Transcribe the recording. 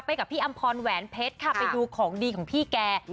กับพี่อำพรแหวนเพชรค่ะไปดูของดีของพี่แก